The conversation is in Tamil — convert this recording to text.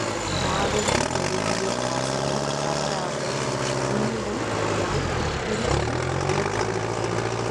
மாதவி எழுதிய வாசகம் தவறாக உன்னிடம் யான் திரித்து உணர்த்திவிட்டேன்.